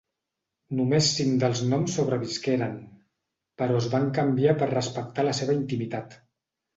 Només cinc dels noms sobrevisqueren, però es van canviar per respectar la seva intimitat.